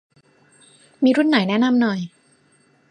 มีรุ่นไหนแนะนำหน่อย